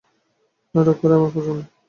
নাটক করাই আমার পছন্দ।